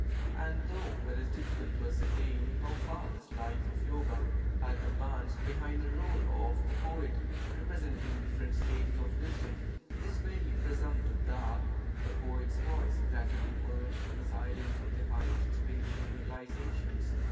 And though it is difficult to ascertain how far this life of yoga had advanced behind the role of the poet represent ing different stages of wisdom, it is fairly presumptive that the poet's voice gradually merged in the silence of the high est spiritual realizations.